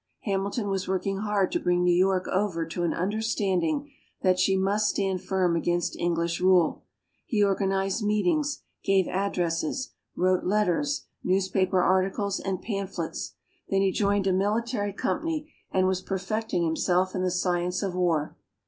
Hamilton was working hard to bring New York over to an understanding that she must stand firm against English rule. He organized meetings, gave addresses, wrote letters, newspaper articles and pamphlets. Then he joined a military company and was perfecting himself in the science of war.